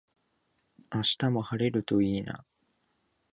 明日も晴れるといいな